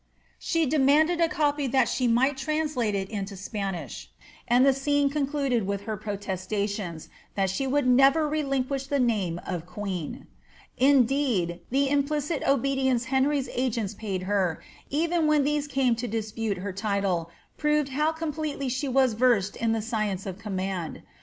She demanded a copy that she might translate it into Spanish ; and the scene concluded with her protestations, that she woold ^ never relinquish the name of queen." Indeed, the implicit obedience Henry's agents paid her, even when these came to dispute her title, proved how completely she was versed in the science of command.